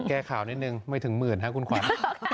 แก้ข่าวนิดนึงไม่ถึงหมื่นครับคุณขวัญ